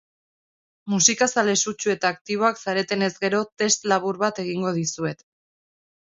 Musikazale sutsu eta aktiboak zaretenez gero, test labur bat egingo dizuet.